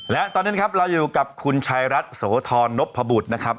และตอนนั้นครับเราอยู่กับคุณชายรัฐโสธรนพบุตรนะครับ